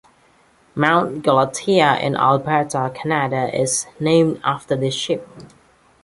Mount Galatea in Alberta, Canada is named after this ship.